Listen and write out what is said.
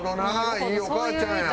いいお母ちゃんや！